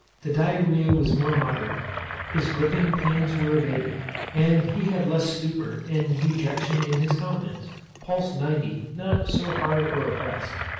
The Diarrhoea was more moderate; his griping pains were abated; and he had less stupor and dejection in his countenance. Pulse 90, not so hard or oppressed.